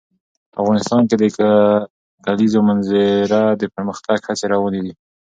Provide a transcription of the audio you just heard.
افغانستان کې د د کلیزو منظره د پرمختګ هڅې روانې دي.